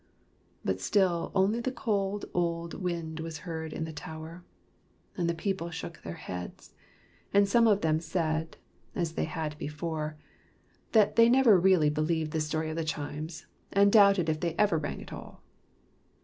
But still only the cold old wind was heard in the tower, and the people shook their heads; and some of them said, as they had before, that they never really believed the story of the chimes, and doubted if they ever rang at all.